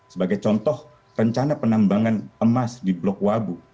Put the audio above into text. sebagai contoh rencana penambangan emas di blok wabu